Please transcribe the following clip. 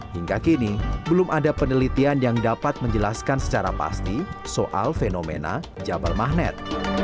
hingga kini belum ada penelitian yang dapat menjelaskan secara pasti soal fenomena jabal mahnet